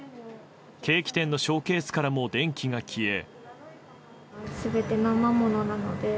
ケーキ店のショーケースからも電気が消え。